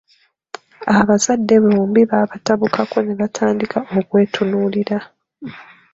Abazadde bombi baabatabukako ne batandika okwetunuulira.